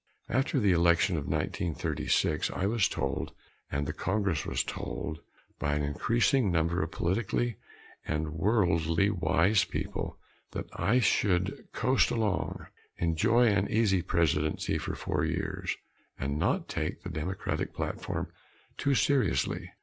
After the election of 1936 I was told, and the Congress was told, by an increasing number of politically and worldly wise people that I should coast along, enjoy an easy Presidency for four years, and not take the Democratic platform too seriously.